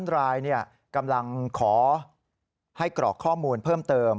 รายกำลังขอให้กรอกข้อมูลเพิ่มเติม